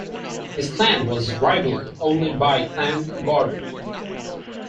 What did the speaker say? His "clan" was rivalled only by Clan Gordon.